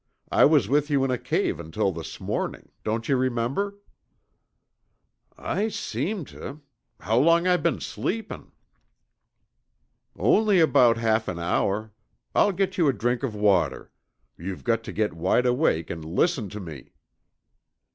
I was with you in a cave until this morning don't you remember?" "I seem tuh. How long I been sleepin'?" "Only about half an hour. I'll get you a drink of water. You've got to get wide awake and listen to me!"